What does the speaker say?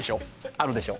あるでしょ？